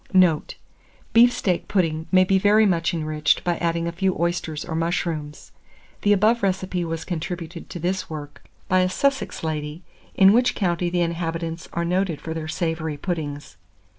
Note. Beef steak pudding may be very much enriched by adding a few oysters or mushrooms. The above recipe was contributed to this work by a Sussex lady, in which county the inhabitants are noted for their savoury puddings.